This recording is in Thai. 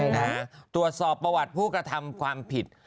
นะฮะตรวจสอบประวัติผู้กระทำความผิด